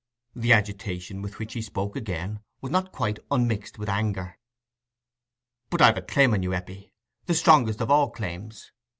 The agitation with which he spoke again was not quite unmixed with anger. "But I've a claim on you, Eppie—the strongest of all claims.